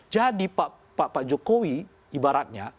jadi pak jokowi ibaratnya